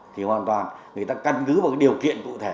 thì hoàn toàn người ta căn cứ vào cái điều kiện cụ thể